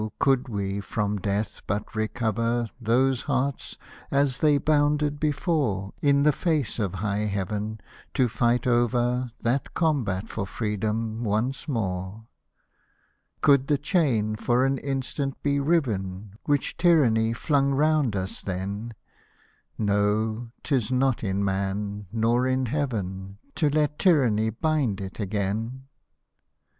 could we from death but recover Those hearts as they bounded before, In the face of high heaven to fight over That combat for freedom once more ;— Could the chain for an instant be riven Which Tyranny flung round us then, No, 'tis not in Man, nor in Heaven, To let Tyranny bind it again